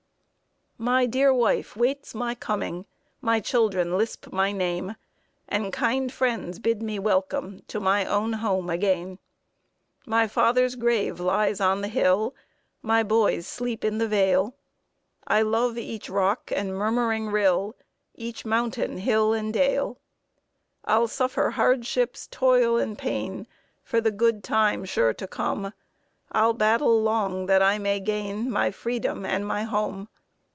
"My dear wife waits my coming, My children lisp my name, And kind friends bid me welcome To my own home again. My father's grave lies on the hill, My boys sleep in the vale; I love each rock and murmuring rill, Each mountain, hill, and dale. I'll suffer hardships, toil, and pain, For the good time sure to come; I'll battle long that I may gain My freedom and my home.